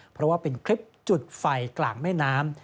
เพราะว่าเป็นคลิปจุดไฟกลางแม่น้ำ